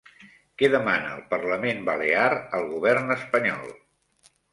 Què demana el Parlament Balear al govern espanyol?